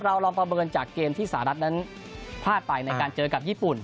เราลองประเมินจากเกมที่สหรัฐนั้นพลาดไปในการเจอกับญี่ปุ่น